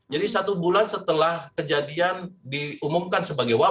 jadi satu bulan setelah status dari wabah ini kita sampaikan kita saat ini sudah melakukan vaksinasi massal